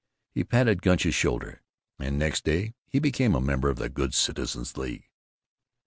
He patted Gunch's shoulder, and next day he became a member of the Good Citizens' League.